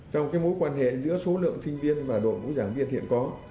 trong mối quan hệ giữa số lượng sinh viên và đội ngũ giảng viên hiện có